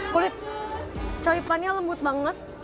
kulit choy pan lembut banget